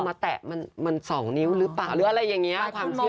แตะมัน๒นิ้วหรือเปล่าหรืออะไรอย่างนี้ความเชื่อ